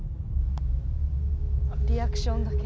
リアクションだけ。